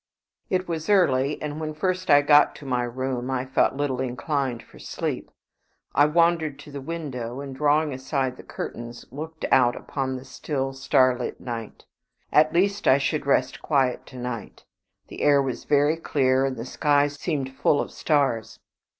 V It was early, and when first I got to my room I felt little inclined for sleep. I wandered to the window, and drawing aside the curtains, looked out upon the still, starlit sky. At least I should rest quiet to night. The air was very clear, and the sky seemed full of stars.